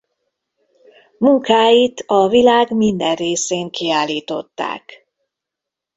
Munkáit a világ minden részén kiállították.